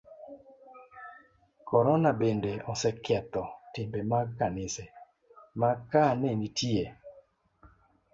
Korona bende oseketho timbe mag kanise, ma ka ne nitie